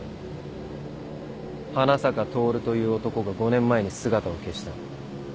花坂トオルという男が５年前に姿を消した。